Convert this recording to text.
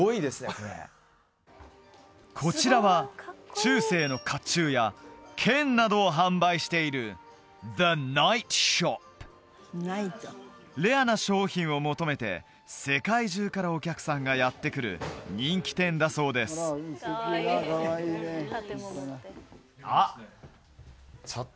これこちらは中世の甲冑や剣などを販売しているレアな商品を求めて世界中からお客さんがやってくる人気店だそうですあっ！